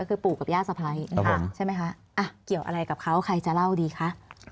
คือปู่กับย่าสะพ้ายใช่ไหมคะเกี่ยวอะไรกับเขาใครจะเล่าดีคะ